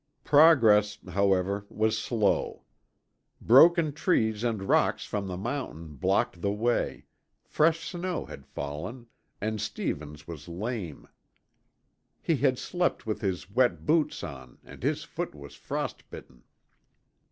Progress, however, was slow. Broken trees and rocks from the mountain blocked the way, fresh snow had fallen, and Stevens was lame. He had slept with his wet boots on and his foot was frostbitten.